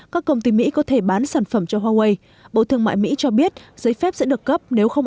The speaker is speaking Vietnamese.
các công ty mỹ có thể bán sản phẩm cho huawei bộ thương mại mỹ cho biết giấy phép sẽ được cấp nếu không